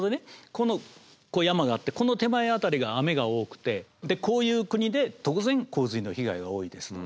こう山があってこの手前辺りが雨が多くてこういう国で当然洪水の被害が多いですので。